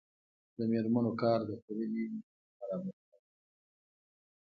د میرمنو کار د ټولنې برابري راولي.